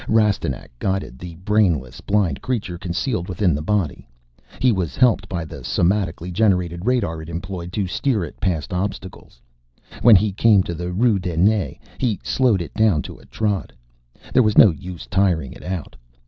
Rastignac guided the brainless, blind creature concealed within the body. He was helped by the somatically generated radar it employed to steer it past obstacles. When he came to the Rue des Nues, he slowed it down to a trot. There was no use tiring it out.